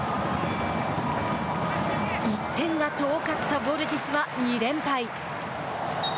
１点が遠かったヴォルティスは２連敗。